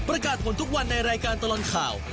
ประกาศผลทุกวันในรายการตลอดข่าว